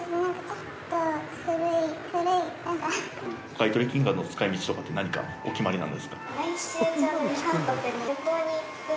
買い取り金額の使い道とかって何かお決まりなんですか？